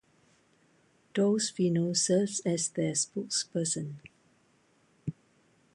Dolcefino serves as their spokesperson.